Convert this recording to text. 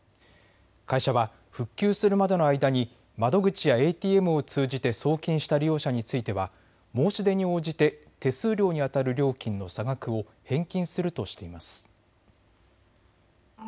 会社は復旧するまでの間に窓口やＡＴＭを通じて送金した利用者については申し出に応じて手数料にあたる料金の差額を返金するとしています。